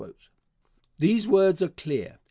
These words are clear.